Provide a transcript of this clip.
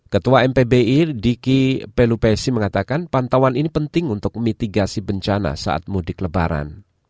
ketua mpbi diki pelupesi mengatakan pantauan ini penting untuk mitigasi bencana saat mudik lebaran